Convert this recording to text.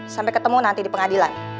sampai ketemu nanti di pengadilan